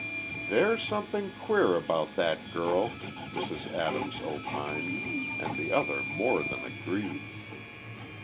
"There's something queer about that girl," Mrs. Adams opined, and the other more than agreed.